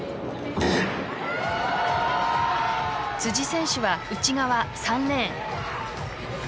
選手は内側３レーン。